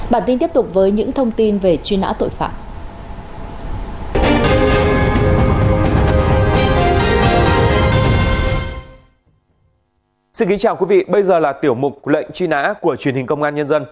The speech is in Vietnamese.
bản tin tiếp tục với những thông tin